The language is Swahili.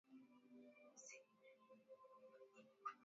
Wakazi wa Mombasa waelezea matarajio yao kwa Rais mpya wa Kenya